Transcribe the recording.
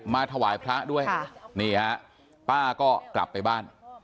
ถวายพระด้วยนี่ฮะป้าก็กลับไปบ้าน